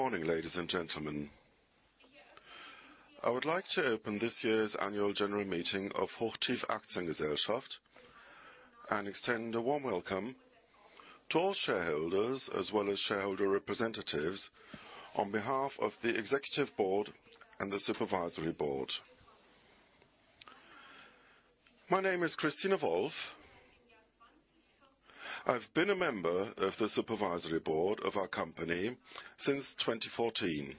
Good morning, ladies and gentlemen. I would like to open this year's annual general meeting of HOCHTIEF Aktiengesellschaft, and extend a warm welcome to all shareholders as well as shareholder representatives on behalf of the Executive Board and the Supervisory Board. My name is Christine Wolff. I've been a member of the Supervisory Board of our company since 2014.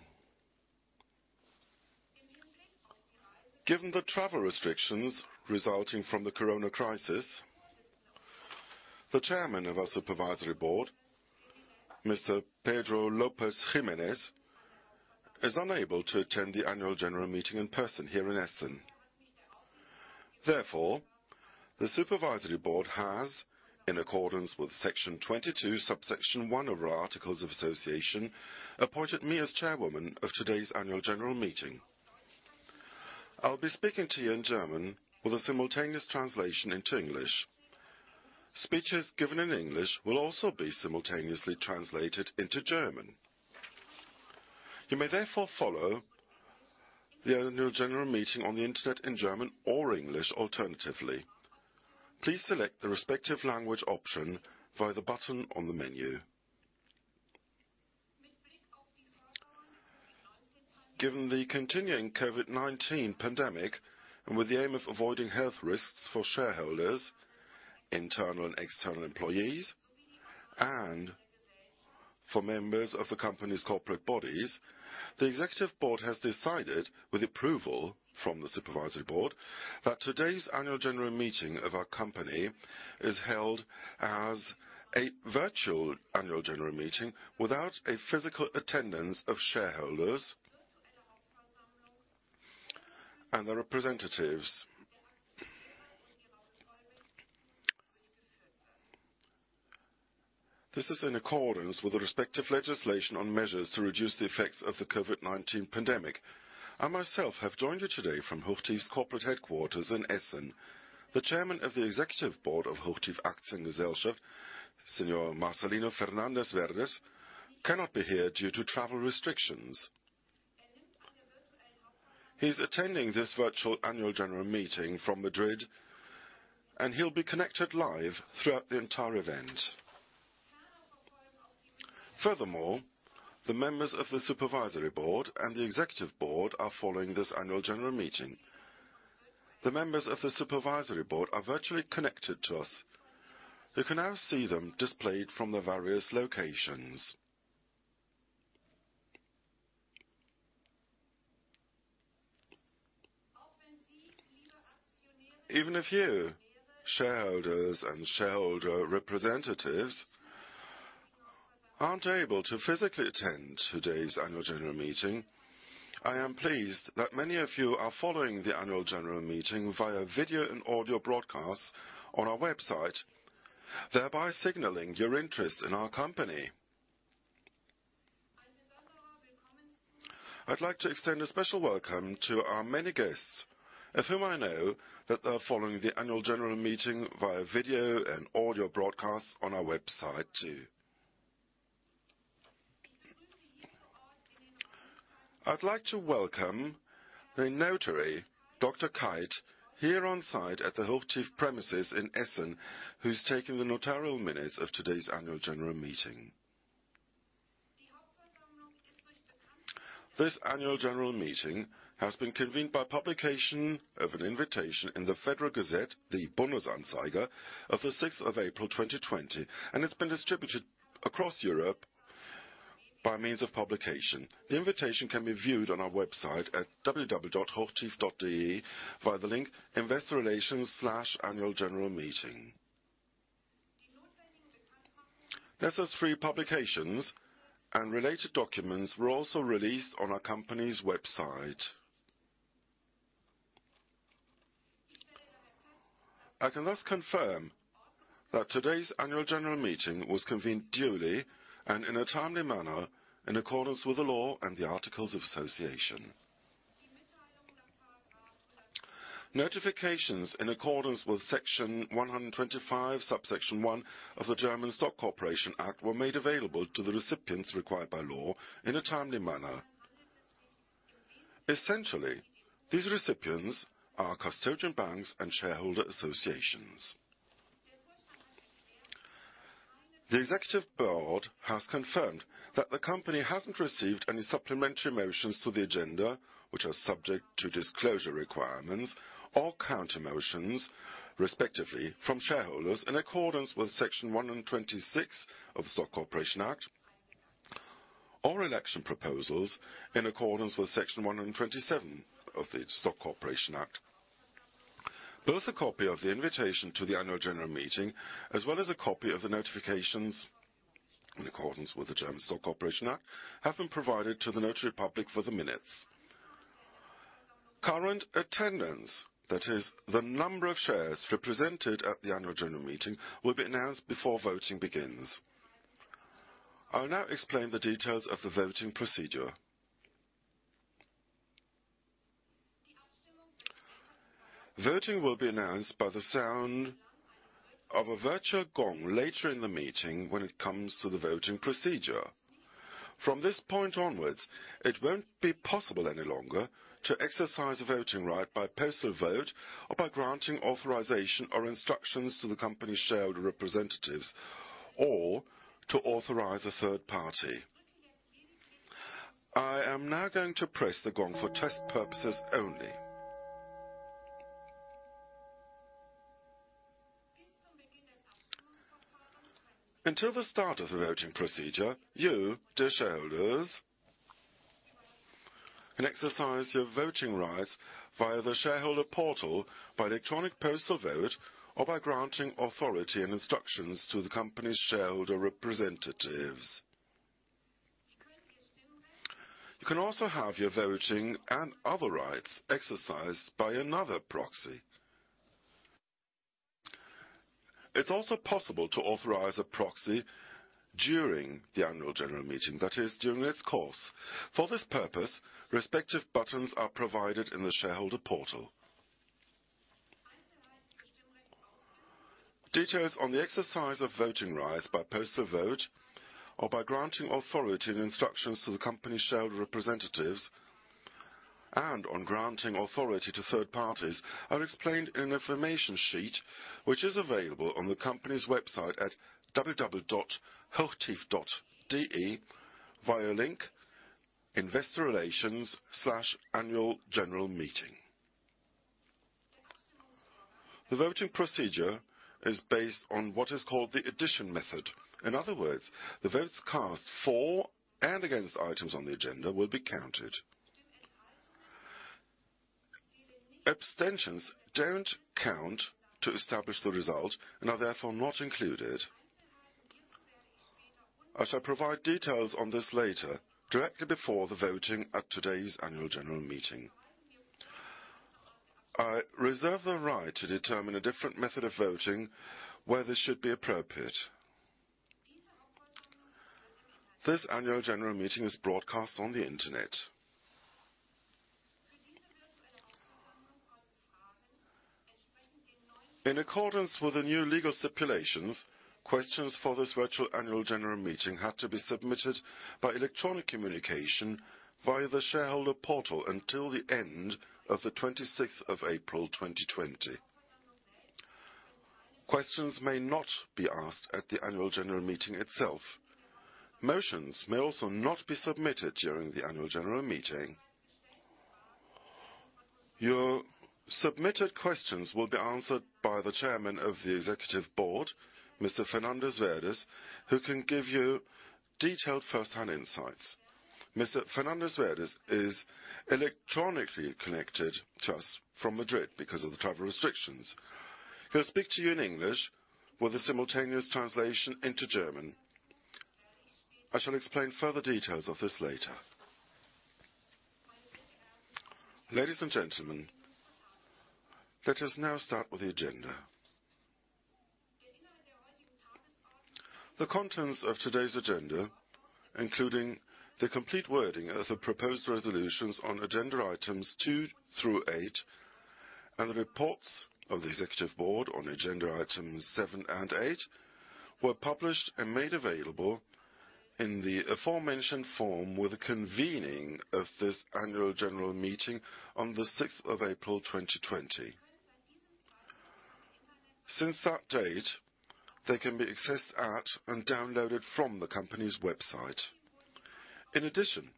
Given the travel restrictions resulting from the corona crisis, the Chairman of our Supervisory Board, Mr. Pedro López Jiménez, is unable to attend the annual general meeting in person here in Essen. Therefore, the Supervisory Board has, in accordance with Section 22, Subsection 1 of our Articles of Association, appointed me as chairwoman of today's annual general meeting. I'll be speaking to you in German with a simultaneous translation into English. Speeches given in English will also be simultaneously translated into German. You may therefore follow the Annual General Meeting on the Internet in German or English alternatively. Please select the respective language option via the button on the menu. Given the continuing COVID-19 pandemic, and with the aim of avoiding health risks for shareholders, internal and external employees, and for members of the company's corporate bodies, the Executive Board has decided, with approval from the Supervisory Board, that today's Annual General Meeting of our company is held as a virtual Annual General Meeting without a physical attendance of shareholders and their representatives. This is in accordance with the respective legislation on measures to reduce the effects of the COVID-19 pandemic. I myself have joined you today from HOCHTIEF's corporate headquarters in Essen. The Chairman of the Executive Board of HOCHTIEF Aktiengesellschaft, Señor Marcelino Fernández Verdes, cannot be here due to travel restrictions. He's attending this virtual Annual General Meeting from Madrid, and he'll be connected live throughout the entire event. Furthermore, the members of the Supervisory Board and the Executive Board are following this Annual General Meeting. The members of the Supervisory Board are virtually connected to us. You can now see them displayed from their various locations. Even if you, shareholders and shareholder representatives, aren't able to physically attend today's Annual General Meeting, I am pleased that many of you are following the Annual General Meeting via video and audio broadcast on our website, thereby signaling your interest in our company. I'd like to extend a special welcome to our many guests, of whom I know that they are following the Annual General Meeting via video and audio broadcast on our website, too. I'd like to welcome the notary, Dr. Kreidt, here on site at the HOCHTIEF premises in Essen, who's taking the notarial minutes of today's annual general meeting. This annual general meeting has been convened by publication of an invitation in the Federal Gazette, the Bundesanzeiger, of the sixth of April, 2020, and it's been distributed across Europe by means of publication. The invitation can be viewed on our website at www.hochtief.de, via the link Investor Relations/Annual General Meeting. This is free publications, and related documents were also released on our company's website. I can thus confirm that today's annual general meeting was convened duly and in a timely manner, in accordance with the law and the articles of association. Notifications in accordance with Section 125, Subsection 1 of the German Stock Corporation Act were made available to the recipients required by law in a timely manner. Essentially, these recipients are custodian banks and shareholder associations. The executive board has confirmed that the company hasn't received any supplementary motions to the agenda, which are subject to disclosure requirements or counter motions, respectively, from shareholders in accordance with Section 126 of the Stock Corporation Act, or election proposals in accordance with Section 127 of the Stock Corporation Act. Both a copy of the invitation to the annual general meeting, as well as a copy of the notifications in accordance with the German Stock Corporation Act, have been provided to the notary public for the minutes. Current attendance, that is, the number of shares represented at the annual general meeting, will be announced before voting begins. I will now explain the details of the voting procedure... Voting will be announced by the sound of a virtual gong later in the meeting when it comes to the voting procedure. From this point onwards, it won't be possible any longer to exercise a voting right by postal vote or by granting authorization or instructions to the company's shareholder representatives or to authorize a third party. I am now going to press the gong for test purposes only. Until the start of the voting procedure, you, dear shareholders, can exercise your voting rights via the shareholder portal, by electronic postal vote, or by granting authority and instructions to the company's shareholder representatives. You can also have your voting and other rights exercised by another proxy. It's also possible to authorize a proxy during the Annual General Meeting, that is, during its course. For this purpose, respective buttons are provided in the shareholder portal. Details on the exercise of voting rights by postal vote or by granting authority and instructions to the company shareholder representatives, and on granting authority to third parties, are explained in the information sheet, which is available on the company's website at www.hochtief.de via link Investor Relations/Annual General Meeting. The voting procedure is based on what is called the addition method. In other words, the votes cast for and against items on the agenda will be counted. Abstentions don't count to establish the result and are therefore not included. I shall provide details on this later, directly before the voting at today's annual general meeting. I reserve the right to determine a different method of voting where this should be appropriate. This annual general meeting is broadcast on the Internet. In accordance with the new legal stipulations, questions for this virtual annual general meeting had to be submitted by electronic communication via the shareholder portal until the end of the 26th of April, 2020. Questions may not be asked at the annual general meeting itself. Motions may also not be submitted during the annual general meeting. Your submitted questions will be answered by the Chairman of the Executive Board, Mr. Fernández Verdes, who can give you detailed first-hand insights. Mr. Fernández Verdes is electronically connected to us from Madrid because of the travel restrictions. He'll speak to you in English with a simultaneous translation into German. I shall explain further details of this later. Ladies and gentlemen, let us now start with the agenda. The contents of today's agenda, including the complete wording of the proposed resolutions on agenda items 2 through 8, and the reports of the Executive Board on agenda items 7 and 8, were published and made available in the aforementioned form with the convening of this annual general meeting on the sixth of April, 2020. Since that date, they can be accessed at and downloaded from the company's website. In addition,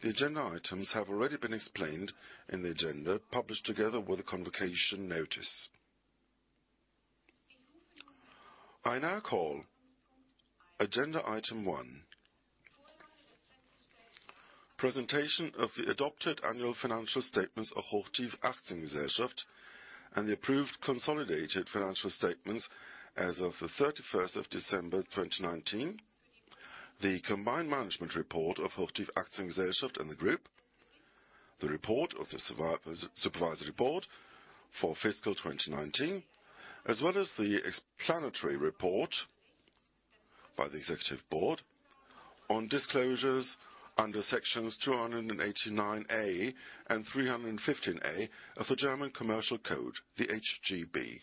the agenda items have already been explained in the agenda, published together with a convocation notice. I now call agenda item 1: Presentation of the adopted annual financial statements of HOCHTIEF Aktiengesellschaft, and the approved consolidated financial statements as of the thirty-first of December, 2019. The combined management report of HOCHTIEF Aktiengesellschaft and the group, the report of the Supervisory Board for fiscal 2019, as well as the explanatory report by the Executive Board on disclosures under sections 289a and 315a of the German Commercial Code, the HGB.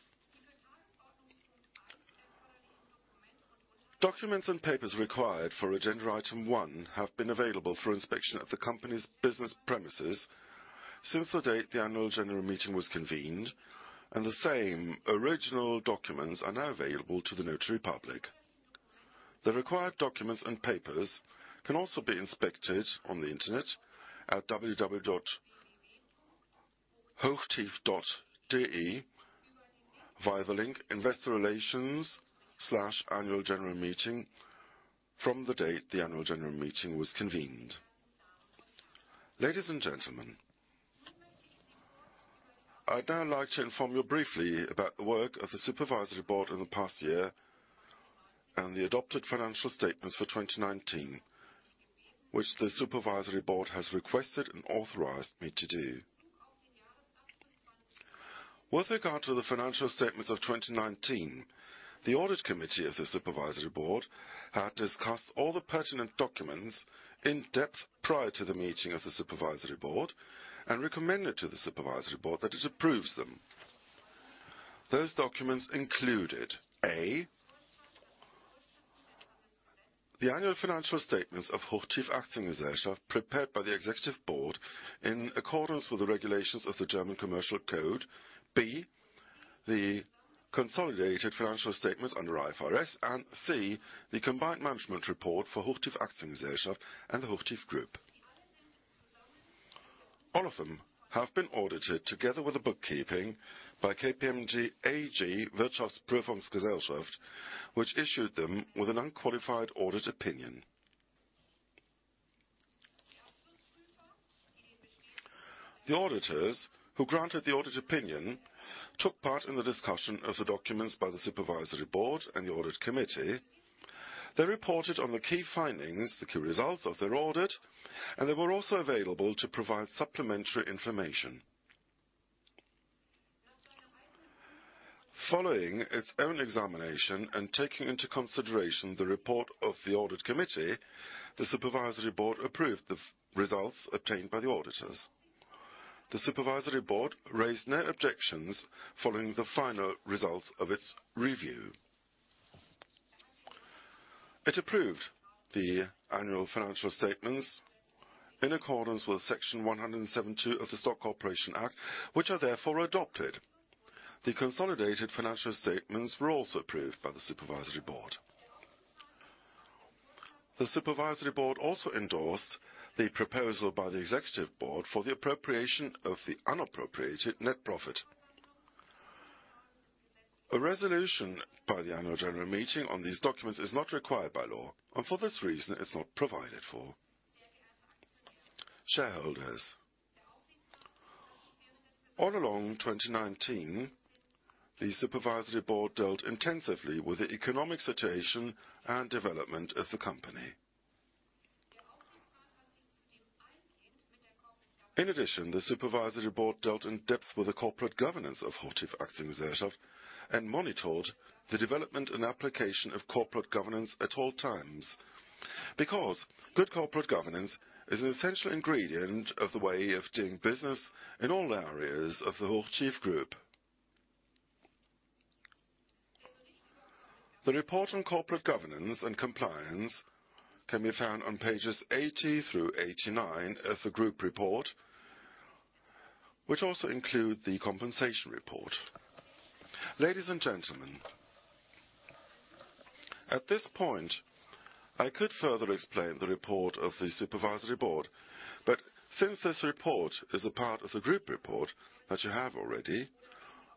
Documents and papers required for agenda item one have been available for inspection at the company's business premises since the date the annual general meeting was convened, and the same original documents are now available to the notary public. The required documents and papers can also be inspected on the Internet at www.hochtief.de via the link Investor Relations/Annual General Meeting from the date the annual general meeting was convened. Ladies and gentlemen, I'd now like to inform you briefly about the work of the Supervisory Board in the past year and the adopted financial statements for 2019, which the Supervisory Board has requested and authorized me to do. With regard to the financial statements of 2019, the Audit Committee of the Supervisory Board had discussed all the pertinent documents in depth prior to the meeting of the Supervisory Board and recommended to the Supervisory Board that it approves them. Those documents included: A, the annual financial statements of HOCHTIEF Aktiengesellschaft, prepared by the Executive Board in accordance with the regulations of the German Commercial Code, B, the consolidated financial statements under IFRS, and C, the combined management report for HOCHTIEF Aktiengesellschaft and the HOCHTIEF Group. All of them have been audited together with the bookkeeping by KPMG AG, which issued them with an unqualified audit opinion. The auditors who granted the audit opinion took part in the discussion of the documents by the supervisory board and the audit committee. They reported on the key findings, the key results of their audit, and they were also available to provide supplementary information. Following its own examination and taking into consideration the report of the audit committee, the supervisory board approved the results obtained by the auditors. The supervisory board raised no objections following the final results of its review. It approved the annual financial statements in accordance with Section 172 of the Stock Corporation Act, which are therefore adopted. The consolidated financial statements were also approved by the supervisory board. The supervisory board also endorsed the proposal by the executive board for the appropriation of the unappropriated net profit. A resolution by the annual general meeting on these documents is not required by law, and for this reason, it's not provided for. Shareholders. All along 2019, the supervisory board dealt intensively with the economic situation and development of the company. In addition, the supervisory board dealt in depth with the corporate governance of HOCHTIEF Aktiengesellschaft and monitored the development and application of corporate governance at all times, because good corporate governance is an essential ingredient of the way of doing business in all areas of the HOCHTIEF Group. The report on corporate governance and compliance can be found on pages 80 through 89 of the group report, which also include the compensation report. Ladies and gentlemen, at this point, I could further explain the report of the supervisory board, but since this report is a part of the group report that you have already,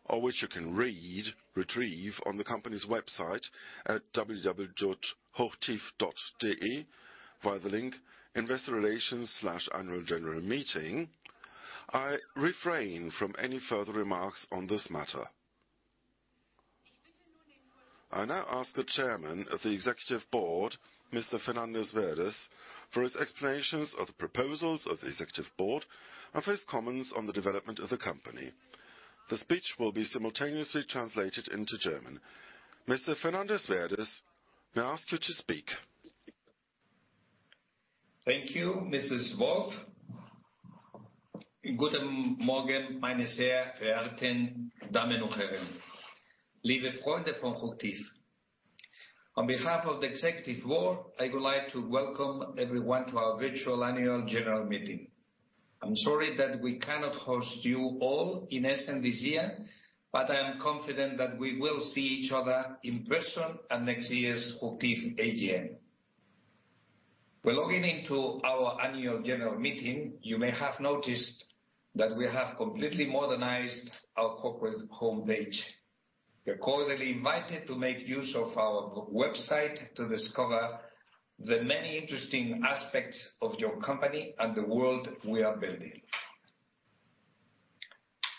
or which you can read, retrieve on the company's website at www.hochtief.de, via the link, Investor Relations/Annual General Meeting, I refrain from any further remarks on this matter. I now ask the Chairman of the Executive Board, Mr. Fernández-Verdes, for his explanations of the proposals of the executive board and for his comments on the development of the company. The speech will be simultaneously translated into German. Mr. Fernández-Verdes, may I ask you to speak? Thank you, Mrs. Wolff. Good morning, meine sehr verehrten Damen und Herren, liebe Freunde von HOCHTIEF. On behalf of the executive board, I would like to welcome everyone to our virtual annual general meeting. I'm sorry that we cannot host you all in Essen this year, but I am confident that we will see each other in person at next year's HOCHTIEF AGM. When logging into our annual general meeting, you may have noticed that we have completely modernized our corporate homepage. You're cordially invited to make use of our website to discover the many interesting aspects of your company and the world we are building.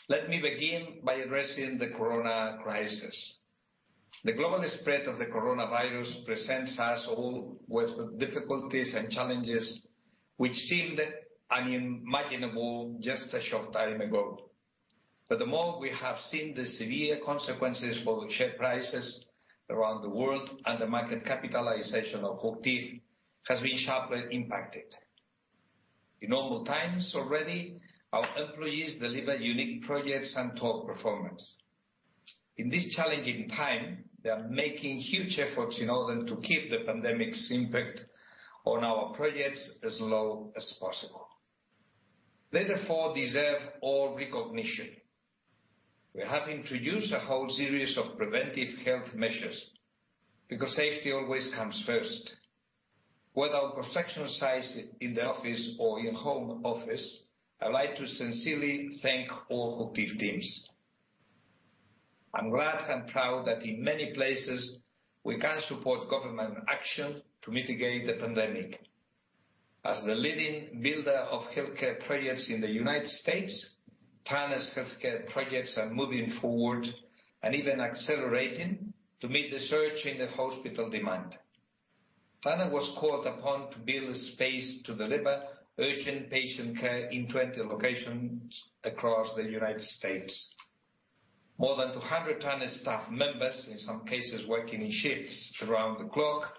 Let me begin by addressing the corona crisis. The global spread of the coronavirus presents us all with difficulties and challenges which seemed unimaginable just a short time ago. But the more we have seen the severe consequences for the share prices around the world, and the market capitalization of HOCHTIEF has been sharply impacted. In normal times already, our employees deliver unique projects and top performance. In this challenging time, they are making huge efforts in order to keep the pandemic's impact on our projects as low as possible. They therefore deserve all recognition. We have introduced a whole series of preventive health measures, because safety always comes first. Whether our construction site, in the office, or in home office, I'd like to sincerely thank all HOCHTIEF teams. I'm glad and proud that in many places, we can support government action to mitigate the pandemic. As the leading builder of healthcare projects in the United States, Turner's healthcare projects are moving forward and even accelerating to meet the surge in the hospital demand. Turner was called upon to build space to deliver urgent patient care in 20 locations across the United States. More than 200 Turner staff members, in some cases, working in shifts around the clock,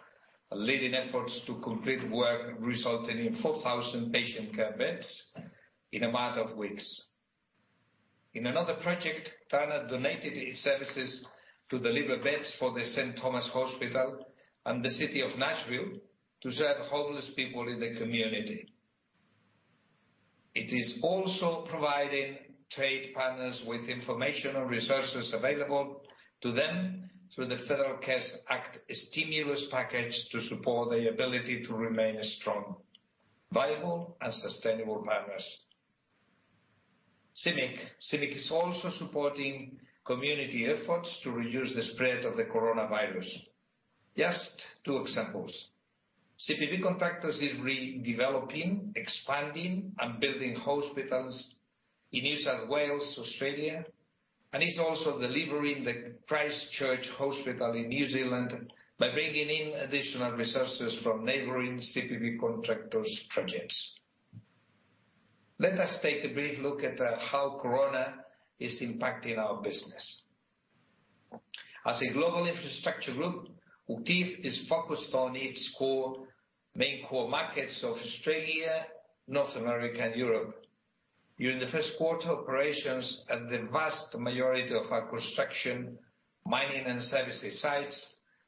are leading efforts to complete work, resulting in 4,000 patient care beds in a matter of weeks. In another project, Turner donated its services to deliver beds for the St. Thomas Hospital and the city of Nashville to serve homeless people in the community. It is also providing trade partners with information on resources available to them through the Federal CARES Act stimulus package to support their ability to remain strong, viable, and sustainable partners. CIMIC, CIMIC is also supporting community efforts to reduce the spread of the coronavirus. Just two examples. CPB Contractors is redeveloping, expanding, and building hospitals in New South Wales, Australia, and is also delivering the Christchurch Hospital in New Zealand by bringing in additional resources from neighboring CPB Contractors' projects. Let us take a brief look at how corona is impacting our business. As a global infrastructure group, HOCHTIEF is focused on its core, main core markets of Australia, North America, and Europe. During the first quarter, operations and the vast majority of our construction, mining, and services sites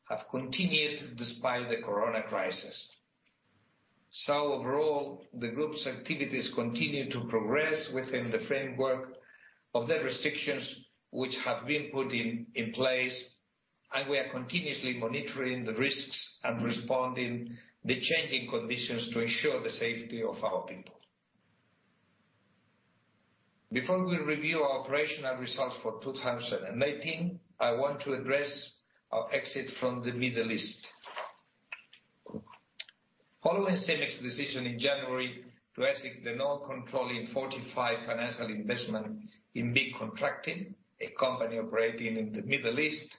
have continued despite the corona crisis. Overall, the group's activities continue to progress within the framework of the restrictions which have been put in place, and we are continuously monitoring the risks and responding to the changing conditions to ensure the safety of our people. Before we review our operational results for 2019, I want to address our exit from the Middle East. Following CIMIC's decision in January to exit the non-controlling 45 financial investment in BIC Contracting, a company operating in the Middle East,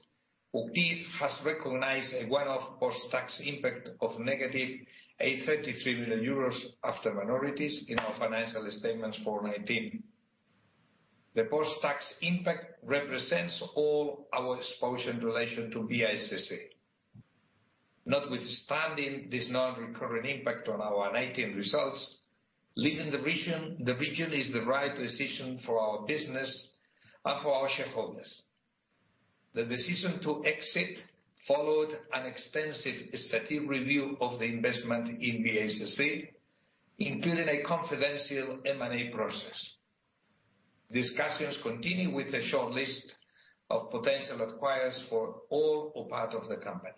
HOCHTIEF has recognized a one-off post-tax impact of negative 833 million euros after minorities in our financial statements for 2019. The post-tax impact represents all our exposure in relation to BICC. Notwithstanding this non-recurrent impact on our 2019 results, leaving the region, the region is the right decision for our business and for our shareholders. The decision to exit followed an extensive strategic review of the investment in BICC, including a confidential M&A process. Discussions continue with a short list of potential acquirers for all or part of the company.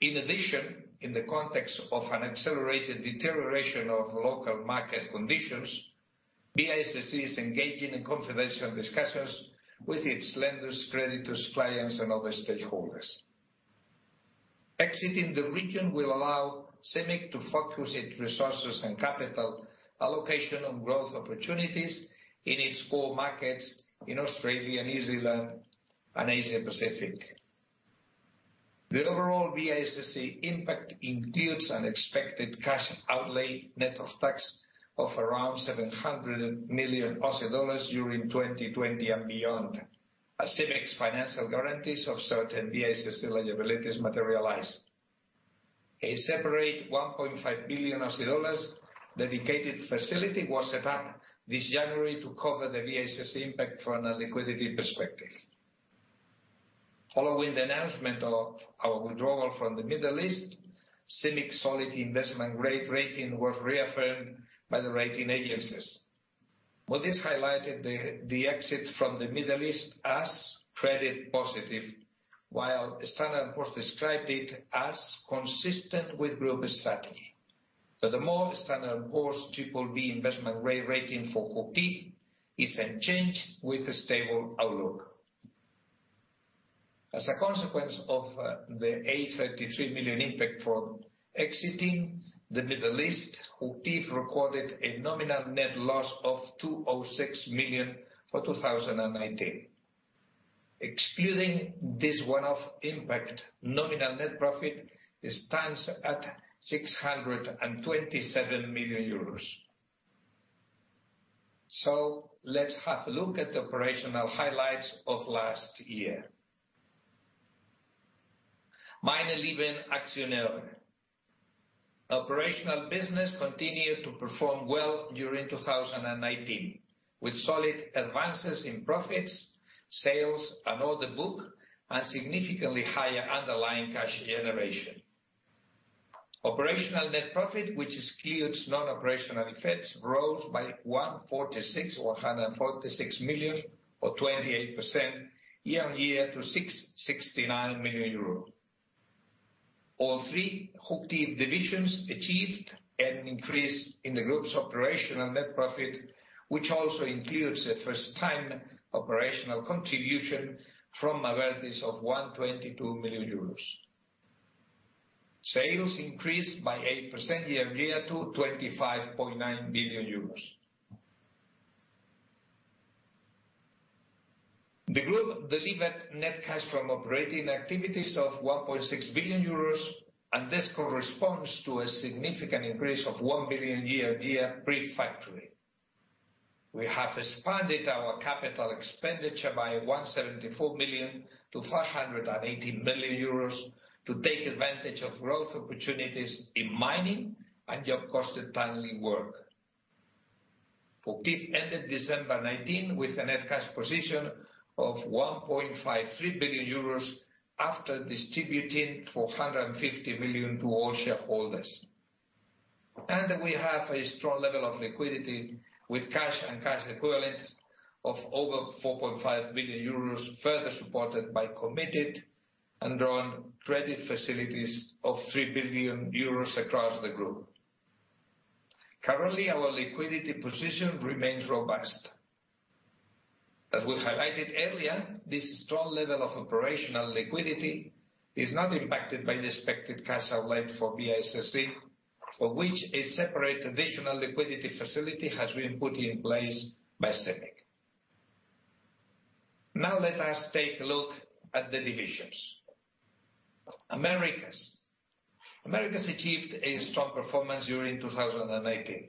In addition, in the context of an accelerated deterioration of local market conditions, BICC is engaging in confidential discussions with its lenders, creditors, clients, and other stakeholders. Exiting the region will allow CIMIC to focus its resources and capital allocation on growth opportunities in its core markets in Australia, New Zealand, and Asia Pacific. The overall BICC impact includes an expected cash outlay net of tax of around 700 million Aussie dollars during 2020 and beyond, as CIMIC's financial guarantees of certain BICC liabilities materialize. A separate 1.5 billion dollars dedicated facility was set up this January to cover the BICC impact from a liquidity perspective. Following the announcement of our withdrawal from the Middle East, CIMIC's solid investment grade rating was reaffirmed by the rating agencies. Moody's highlighted the exit from the Middle East as credit positive, while Standard & Poor's described it as consistent with group strategy. Furthermore, Standard & Poor's BBB investment grade rating for HOCHTIEF is unchanged with a stable outlook. As a consequence of the 833 million impact from exiting the Middle East, HOCHTIEF recorded a nominal net loss of 206 million for 2019. Excluding this one-off impact, nominal net profit stands at 627 million euros. Let's have a look at the operational highlights of last year. Meine lieben Aktionäre, operational business continued to perform well during 2019, with solid advances in profits, sales, and order book, and significantly higher underlying cash generation. Operational net profit, which excludes non-operational effects, rose by 146, or 146 million, or 28% year-on-year to 669 million euro. All three HOCHTIEF divisions achieved an increase in the group's operational net profit, which also includes a first-time operational contribution from Abertis of 122 million euros. Sales increased by 8% year-on-year to 25.9 billion euros. The group delivered net cash from operating activities of 1.6 billion euros, and this corresponds to a significant increase of 1 billion year-on-year pre-COVID. We have expanded our capital expenditure by 174 million to 580 million euros to take advantage of growth opportunities in mining and job cost mining work.... ended December 2019, with a net cash position of 1.53 billion euros, after distributing 450 million to all shareholders. We have a strong level of liquidity, with cash and cash equivalents of over 4.5 billion euros, further supported by committed and drawn credit facilities of 3 billion euros across the group. Currently, our liquidity position remains robust. As we highlighted earlier, this strong level of operational liquidity is not impacted by the expected cash outlay for BICC, for which a separate additional liquidity facility has been put in place by CIMIC. Now let us take a look at the divisions. Americas. Americas achieved a strong performance during 2018.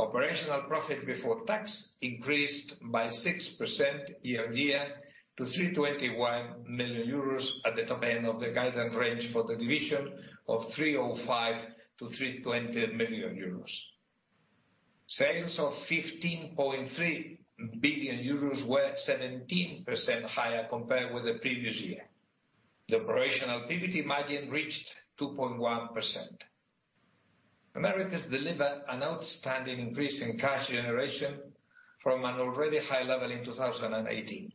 Operational profit before tax increased by 6% year-on-year, to 321 million euros, at the top end of the guidance range for the division of 305 million-320 million euros. Sales of 15.3 billion euros were 17% higher compared with the previous year. The operational PBT margin reached 2.1%. Americas delivered an outstanding increase in cash generation from an already high level in 2018.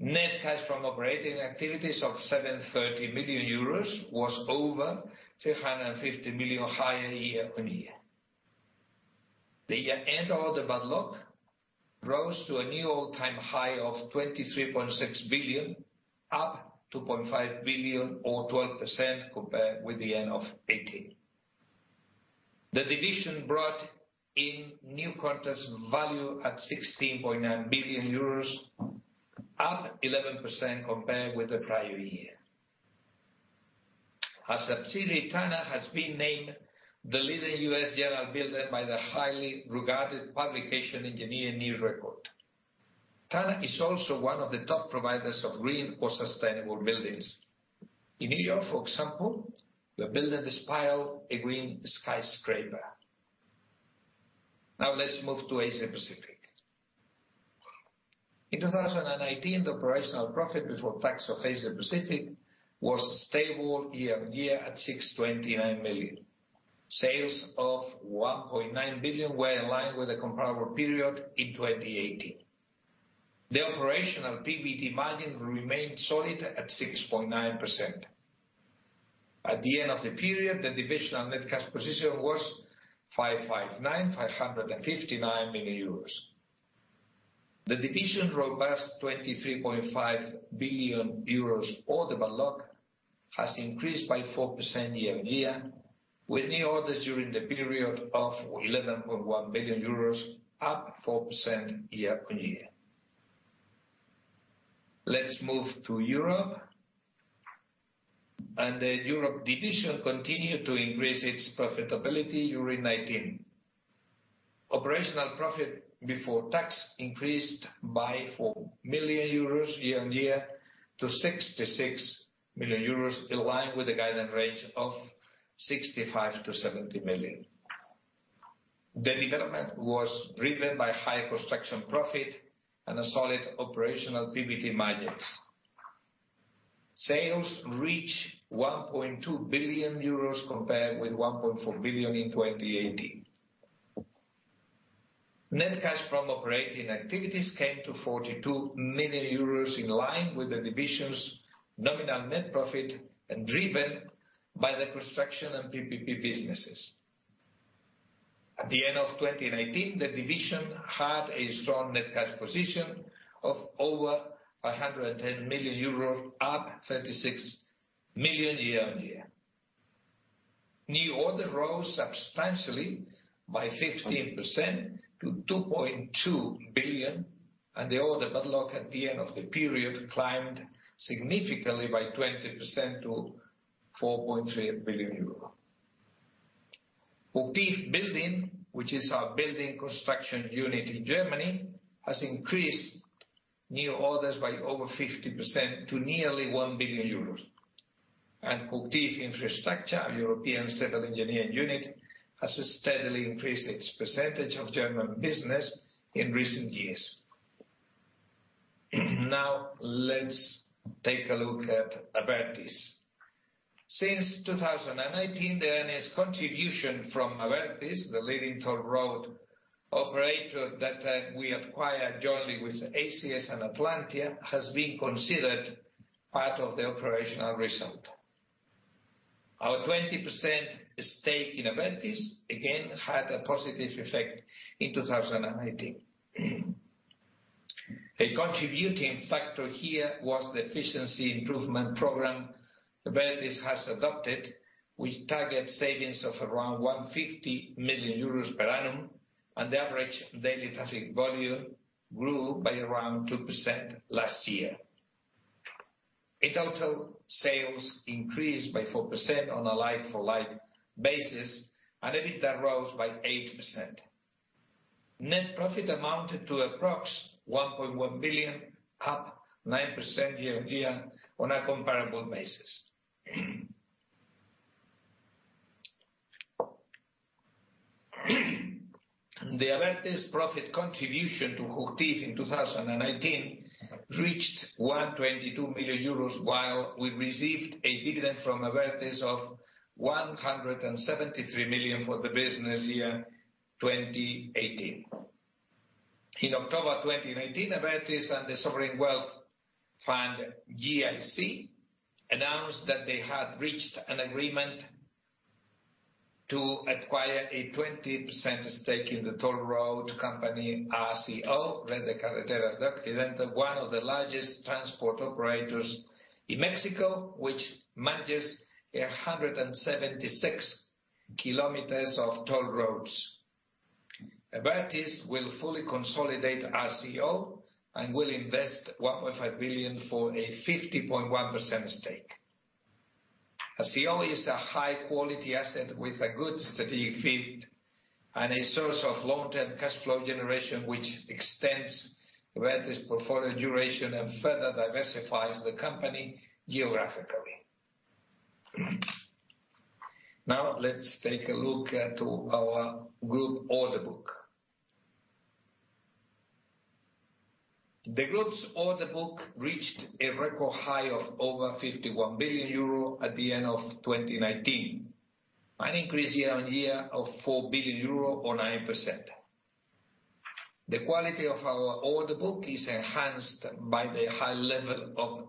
Net cash from operating activities of 730 million euros was over 350 million higher year-on-year. The end order book rose to a new all-time high of 23.6 billion, up 2.5 billion, or 12%, compared with the end of 2018. The division brought in new contract value at 16.9 billion euros, up 11% compared with the prior year. Our subsidiary, Turner, has been named the leading U.S. general builder by the highly regarded publication Engineering News-Record. Turner is also one of the top providers of green or sustainable buildings. In New York, for example, we are building The Spiral, a green skyscraper. Now let's move to Asia Pacific. In 2018, the operational profit before tax of Asia Pacific was stable year-on-year at 629 million. Sales of 1.9 billion were in line with the comparable period in 2018. The operational PBT margin remained solid at 6.9%. At the end of the period, the divisional net cash position was 559 million euros. The division's robust 23.5 billion euros order book has increased by 4% year-on-year, with new orders during the period of 11.1 billion euros, up 4% year-on-year. Let's move to Europe. The Europe division continued to increase its profitability during 2019. Operational profit before tax increased by 4 million euros year-on-year to 66 million euros, in line with the guidance range of 65 million-70 million. The development was driven by high construction profit and a solid operational PBT margins. Sales reached 1.2 billion euros, compared with 1.4 billion in 2018. Net cash from operating activities came to 42 million euros, in line with the division's nominal net profit, and driven by the construction and PPP businesses. At the end of 2019, the division had a strong net cash position of over 110 million euros, up 36 million year-on-year. New order rose substantially by 15% to 2.2 billion, and the order backlog at the end of the period climbed significantly by 20%, to 4.3 billion euros. HOCHTIEF Building, which is our building construction unit in Germany, has increased new orders by over 50% to nearly 1 billion euros. HOCHTIEF Infrastructure, our European civil engineering unit, has steadily increased its percentage of German business in recent years. Now, let's take a look at Abertis. Since 2018, the earnings contribution from Abertis, the leading toll road operator that we acquired jointly with ACS and Atlantia, has been considered part of the operational result. Our 20% stake in Abertis, again, had a positive effect in 2018. A contributing factor here was the efficiency improvement program Abertis has adopted, which targets savings of around 150 million euros per annum, and the average daily traffic volume grew by around 2% last year. In total, sales increased by 4% on a like-for-like basis, and EBITDA rose by 8%. Net profit amounted to approximately 1.1 billion, up 9% year-on-year on a comparable basis. The Abertis profit contribution to HOCHTIEF in 2019 reached 122 million euros, while we received a dividend from Abertis of 173 million for the business year 2018. In October 2019, Abertis and the Sovereign Wealth Fund, GIC, announced that they had reached an agreement to acquire a 20% stake in the toll road company, RCO, Red de Carreteras de Occidente, one of the largest transport operators in Mexico, which manages 176 kilometers of toll roads. Abertis will fully consolidate RCO and will invest 1.5 billion for a 50.1% stake. RCO is a high quality asset with a good strategic fit and a source of long-term cash flow generation, which extends Abertis' portfolio duration and further diversifies the company geographically. Now, let's take a look to our group order book. The group's order book reached a record high of over 51 billion euro at the end of 2019, an increase year-on-year of 4 billion euro or 9%. The quality of our order book is enhanced by the high level of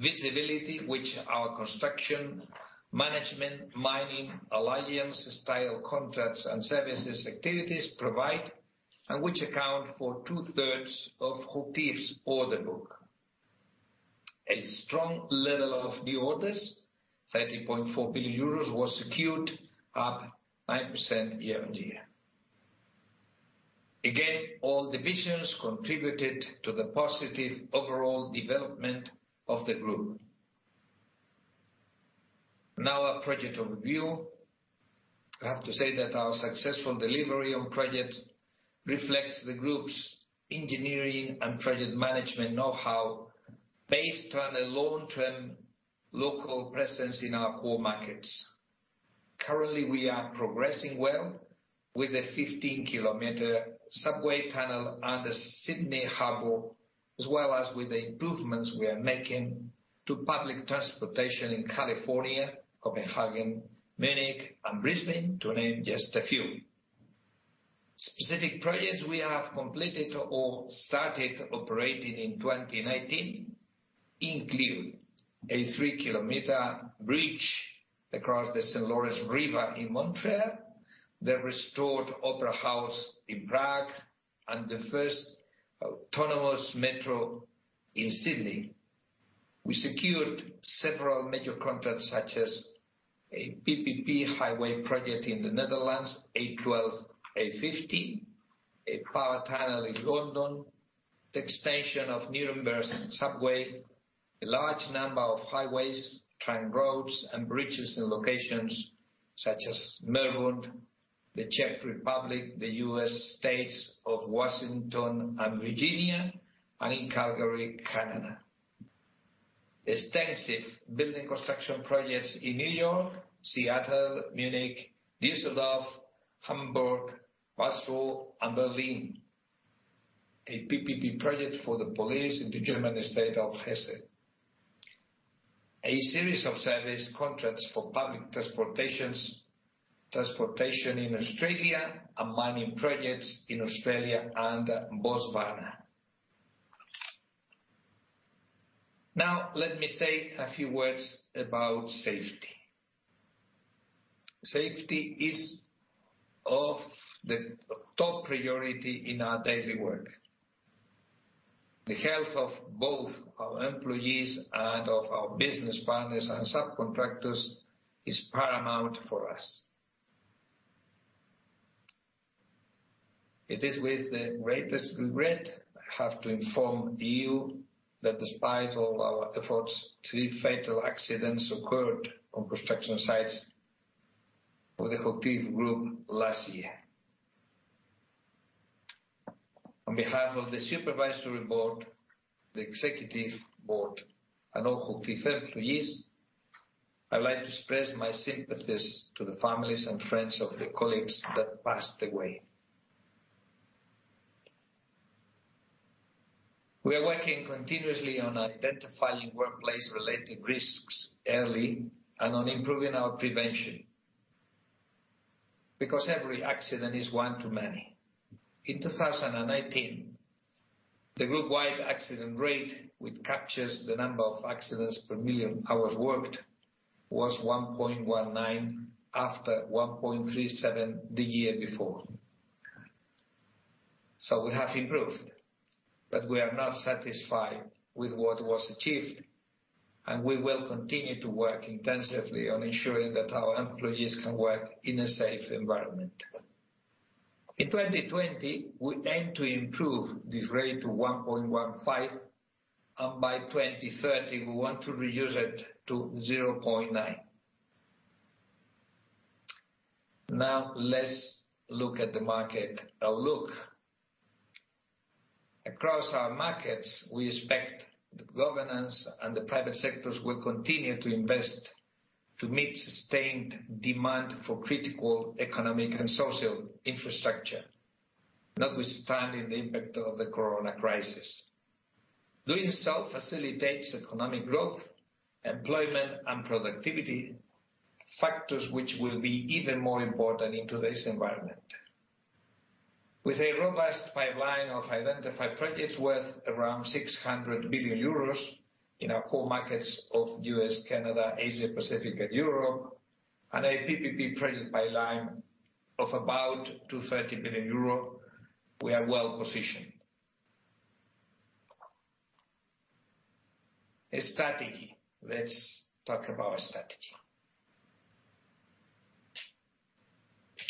visibility, which our construction, management, mining, alliance style contracts, and services activities provide, and which account for two-thirds of HOCHTIEF's order book. A strong level of new orders, 30.4 billion euros, was secured, up 9% year-on-year. Again, all divisions contributed to the positive overall development of the group. Now, a project overview. I have to say that our successful delivery on project reflects the group's engineering and project management know-how, based on a long-term local presence in our core markets. Currently, we are progressing well with a 15-kilometer subway tunnel under Sydney Harbor, as well as with the improvements we are making to public transportation in California, Copenhagen, Munich, and Brisbane, to name just a few. Specific projects we have completed or started operating in 2019 include a 3 km bridge across the St. Lawrence River in Montreal, the restored Opera House in Prague, and the first autonomous metro in Sydney. We secured several major contracts, such as a PPP highway project in the Netherlands, A12/A15, a power tunnel in London, the extension of Nuremberg's subway, a large number of highways, railroads, and bridges in locations such as Melbourne, the Czech Republic, the US states of Washington and Virginia, and in Calgary, Canada. Extensive building construction projects in New York, Seattle, Munich, Düsseldorf, Hamburg, Basel, and Berlin. A PPP project for the police in the German state of Hesse. A series of service contracts for public transportations, transportation in Australia, and mining projects in Australia and Botswana. Now, let me say a few words about safety. Safety is of the top priority in our daily work. The health of both our employees and of our business partners and subcontractors is paramount for us. It is with the greatest regret, I have to inform you that despite all our efforts, three fatal accidents occurred on construction sites for the HOCHTIEF Group last year. On behalf of the supervisory board, the executive board, and all HOCHTIEF employees, I'd like to express my sympathies to the families and friends of the colleagues that passed away. We are working continuously on identifying workplace-related risks early and on improving our prevention, because every accident is one too many. In 2019, the group-wide accident rate, which captures the number of accidents per million hours worked, was 1.19, after 1.37 the year before. So we have improved, but we are not satisfied with what was achieved, and we will continue to work intensively on ensuring that our employees can work in a safe environment. In 2020, we aim to improve this rate to 1.15, and by 2030, we want to reduce it to 0.9. Now, let's look at the market outlook. Across our markets, we expect the government and the private sectors will continue to invest to meet sustained demand for critical economic and social infrastructure, notwithstanding the impact of the corona crisis. Doing so facilitates economic growth, employment, and productivity, factors which will be even more important in today's environment. With a robust pipeline of identified projects worth around 600 billion euros in our core markets of U.S., Canada, Asia, Pacific, and Europe, and a PPP project pipeline of about 230 billion euro, we are well positioned. A strategy. Let's talk about our strategy.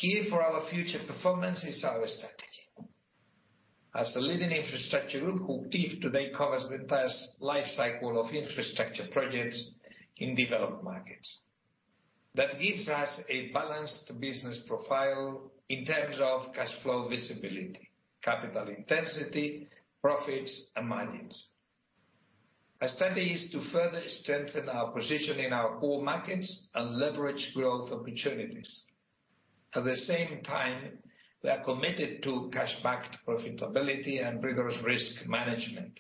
Key for our future performance is our strategy. As a leading infrastructure group, HOCHTIEF today covers the entire life cycle of infrastructure projects in developed markets. That gives us a balanced business profile in terms of cash flow visibility, capital intensity, profits, and margins. Our strategy is to further strengthen our position in our core markets and leverage growth opportunities. At the same time, we are committed to cash backed profitability and rigorous risk management.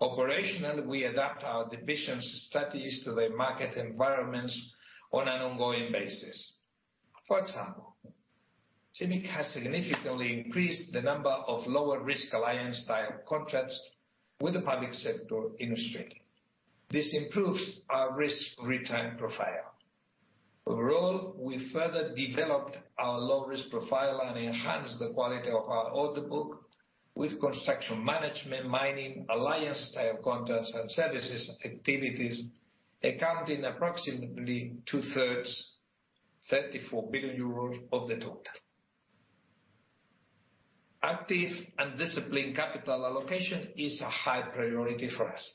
Operationally, we adapt our divisions' strategies to the market environments on an ongoing basis. For example, CIMIC has significantly increased the number of lower risk alliance-style contracts with the public sector industry. This improves our risk return profile. Overall, we further developed our low risk profile and enhanced the quality of our order book with construction management, mining, alliance-style contracts, and services activities, accounting approximately two-thirds, 34 billion euros of the total. Active and disciplined capital allocation is a high priority for us.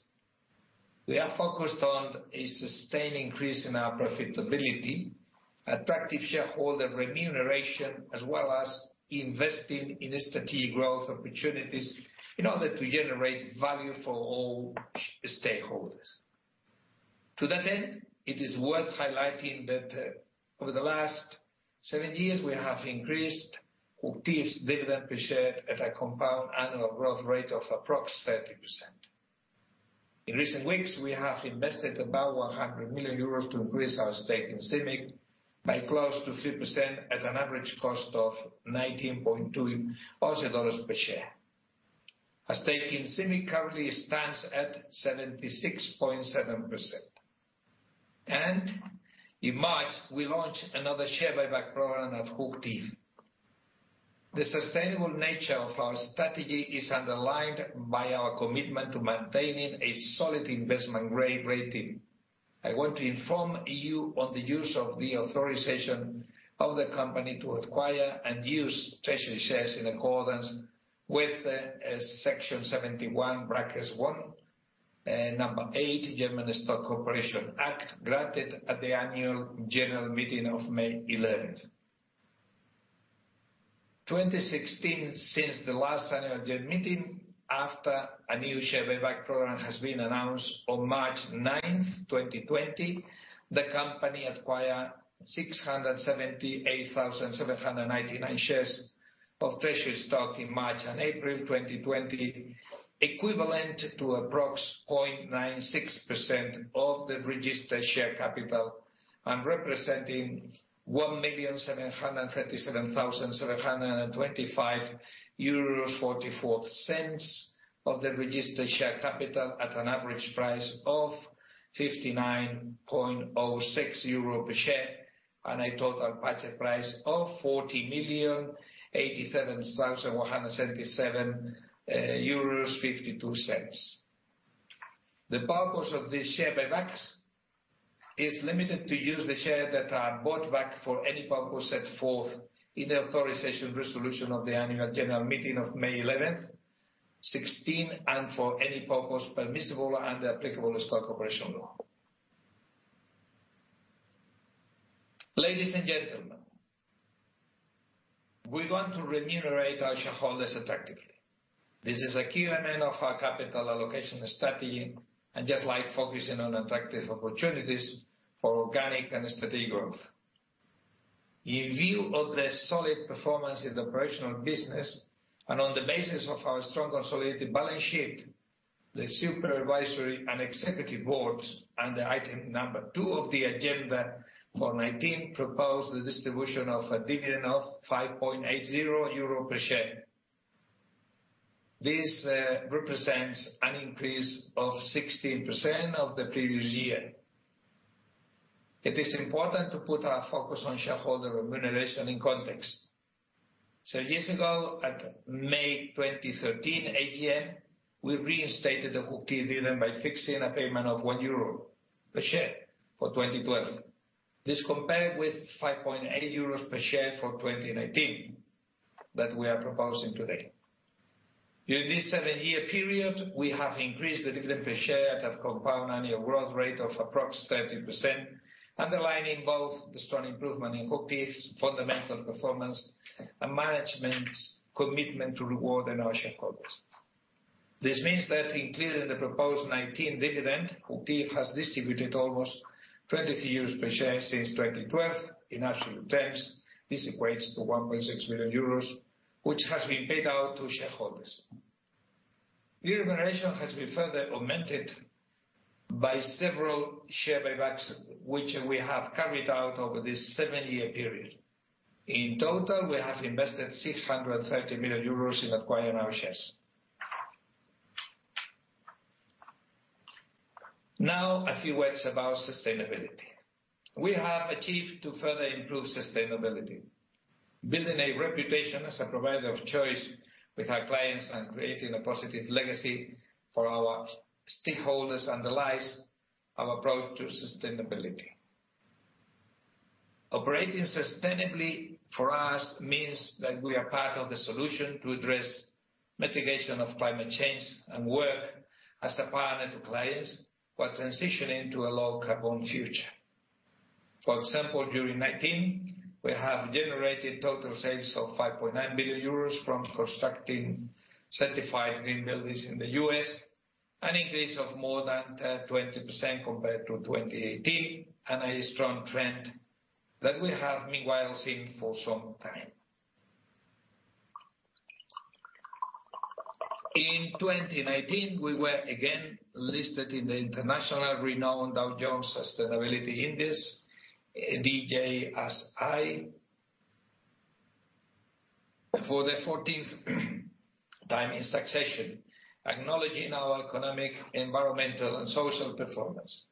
We are focused on a sustained increase in our profitability, attractive shareholder remuneration, as well as investing in strategic growth opportunities in order to generate value for all stakeholders. To that end, it is worth highlighting that, over the last seven years, we have increased HOCHTIEF's dividend per share at a compound annual growth rate of approx 30%. In recent weeks, we have invested about 100 million euros to increase our stake in CIMIC by close to 3% at an average cost of 19.2 dollars per share. Our stake in CIMIC currently stands at 76.7%. In March, we launched another share buyback program at HOCHTIEF. The sustainable nature of our strategy is underlined by our commitment to maintaining a solid investment grade rating. I want to inform you on the use of the authorization of the company to acquire and use treasury shares in accordance with section 71, brackets 1, number 8, German Stock Corporation Act, granted at the annual general meeting of May eleventh. 2016, since the last annual general meeting, after a new share buyback program has been announced on March 9, 2020, the company acquired 678,799 shares of treasury stock in March and April 2020, equivalent to approx. 0.96% of the registered share capital and representing 1,737,725.44 euros of the registered share capital at an average price of 59.06 euro per share, and a total purchase price of 40,087,177.52 euros. The purpose of this share buybacks is limited to use the shares that are bought back for any purpose set forth in the authorization resolution of the annual general meeting of May 11, 2016, and for any purpose permissible under applicable stock corporation law. Ladies and gentlemen, we want to remunerate our shareholders attractively. This is a key element of our capital allocation strategy, and just like focusing on attractive opportunities for organic and strategic growth. In view of the solid performance in the operational business and on the basis of our strong consolidated balance sheet, the Supervisory and Executive Boards, under item number two of the agenda, for 2019, propose the distribution of a dividend of 5.80 euro per share. This represents an increase of 16% of the previous year. It is important to put our focus on shareholder remuneration in context. So years ago, at May 2013 AGM, we reinstated the HOCHTIEF dividend by fixing a payment of 1 euro per share for 2012. This compared with 5.8 euros per share for 2019, that we are proposing today. During this seven year period, we have increased the dividend per share at a compound annual growth rate of approximately 30%, underlining both the strong improvement in HOCHTIEF's fundamental performance and management's commitment to reward our shareholders.... This means that including the proposed 2019 dividend, HOCHTIEF has distributed almost 22 euros per share since 2012. In absolute terms, this equates to 1.6 billion euros, which has been paid out to shareholders. The remuneration has been further augmented by several share buybacks, which we have carried out over this seven year period. In total, we have invested 630 million euros in acquiring our shares. Now, a few words about sustainability. We have achieved to further improve sustainability, building a reputation as a provider of choice with our clients and creating a positive legacy for our stakeholders underlies our approach to sustainability. Operating sustainably for us means that we are part of the solution to address mitigation of climate change and work as a partner to clients while transitioning to a low carbon future. For example, during 2019, we have generated total sales of 5.9 billion euros from constructing certified green buildings in the US, an increase of more than 20% compared to 2018, and a strong trend that we have meanwhile seen for some time. In 2019, we were again listed in the international renowned Dow Jones Sustainability Index, DJSI, for the fourteenth time in succession, acknowledging our economic, environmental, and social performance.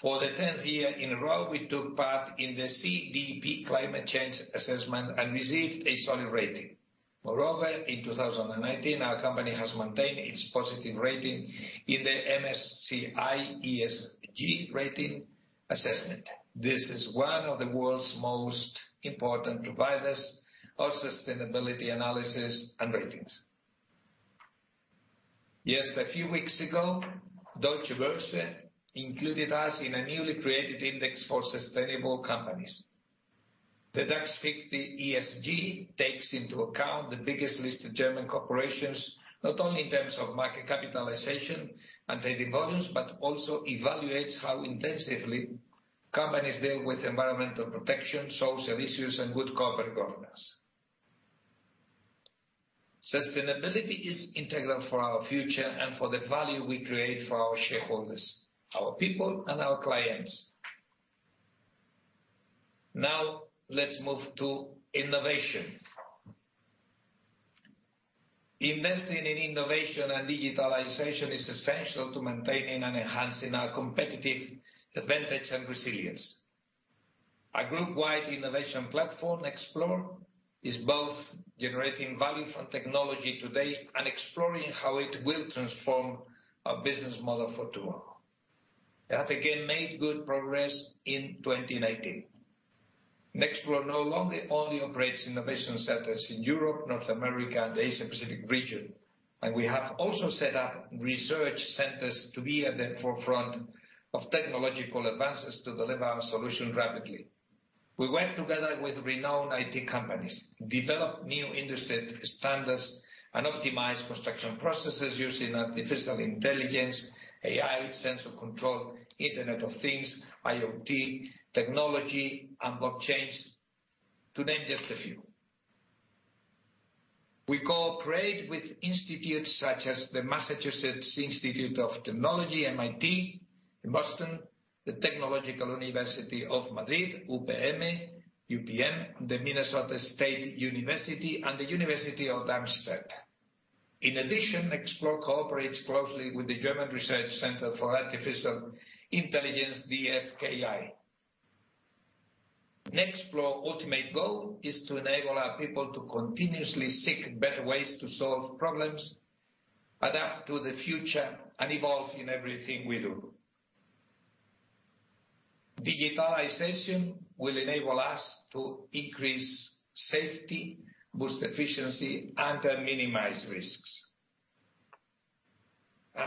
For the 10th year in a row, we took part in the CDP Climate Change Assessment and received a solid rating. Moreover, in 2019, our company has maintained its positive rating in the MSCI ESG Rating assessment. This is one of the world's most important providers of sustainability analysis and ratings. Just a few weeks ago, Deutsche Börse included us in a newly created index for sustainable companies. The DAX 50 ESG takes into account the biggest listed German corporations, not only in terms of market capitalization and trading volumes, but also evaluates how intensively companies deal with environmental protection, social issues, and good corporate governance. Sustainability is integral for our future and for the value we create for our shareholders, our people, and our clients. Now, let's move to innovation. Investing in innovation and digitalization is essential to maintaining and enhancing our competitive advantage and resilience. Our group-wide innovation platform, Nexplore, is both generating value from technology today and exploring how it will transform our business model for tomorrow. It has again made good progress in 2019. Nexplore no longer only operates innovation centers in Europe, North America, and the Asia Pacific region, and we have also set up research centers to be at the forefront of technological advances to deliver our solution rapidly. We work together with renowned IT companies, develop new industry standards, and optimize construction processes using artificial intelligence, AI, sensor control, Internet of Things, IoT, technology, and blockchain, to name just a few. We cooperate with institutes such as the Massachusetts Institute of Technology, MIT, in Boston, the Technological University of Madrid, UPM, UPM, the Minnesota State University, and the University of Amsterdam. In addition, Nexplore cooperates closely with the German Research Center for Artificial Intelligence, DFKI. Nexplore ultimate goal is to enable our people to continuously seek better ways to solve problems, adapt to the future, and evolve in everything we do. Digitalization will enable us to increase safety, boost efficiency, and minimize risks.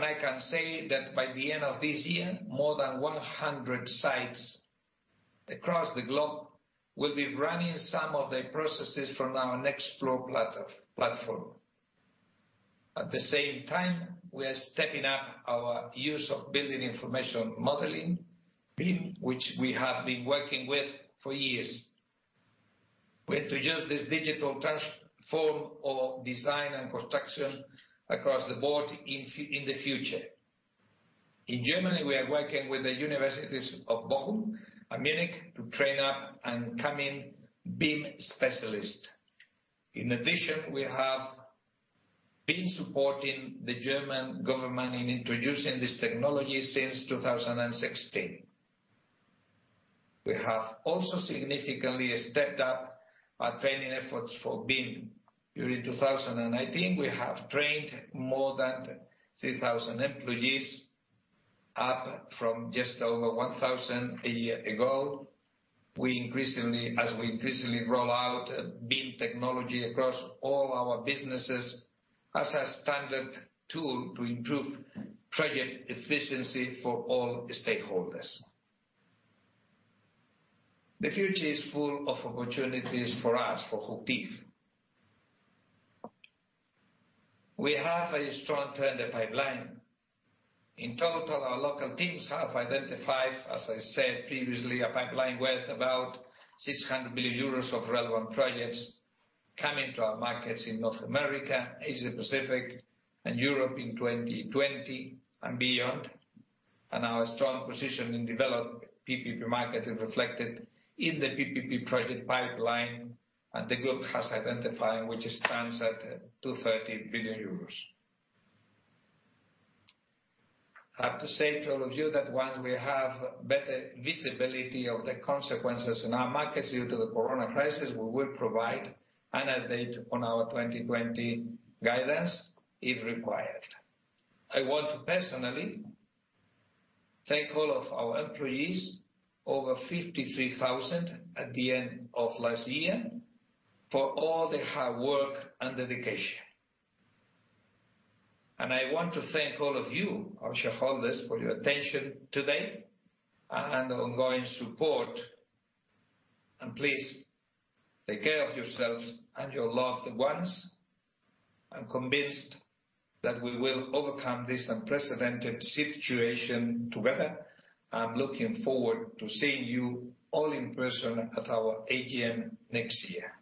I can say that by the end of this year, more than 100 sites across the globe will be running some of the processes from our Nexplore platform. At the same time, we are stepping up our use of building information modeling, BIM, which we have been working with for years. We introduce this digital transform of design and construction across the board in the future. In Germany, we are working with the universities of Bochum and Munich to train up and coming BIM specialists. In addition, we have been supporting the German government in introducing this technology since 2016. We have also significantly stepped up our training efforts for BIM. During 2019, we have trained more than 3,000 employees, up from just over 1,000 a year ago. As we increasingly roll out BIM technology across all our businesses as a standard tool to improve project efficiency for all stakeholders. The future is full of opportunities for us, for HOCHTIEF. We have a strong trend pipeline. In total, our local teams have identified, as I said previously, a pipeline worth about 600 billion euros of relevant projects coming to our markets in North America, Asia Pacific, and Europe in 2020 and beyond. Our strong position in developed PPP markets is reflected in the PPP project pipeline that the group has identified, which stands at 230 billion euros. I have to say to all of you that once we have better visibility of the consequences in our markets due to the corona crisis, we will provide an update on our 2020 guidance if required. I want to personally thank all of our employees, over 53,000 at the end of last year, for all their hard work and dedication. I want to thank all of you, our shareholders, for your attention today and ongoing support. Please take care of yourselves and your loved ones. I'm convinced that we will overcome this unprecedented situation together. I'm looking forward to seeing you all in person at our AGM next year.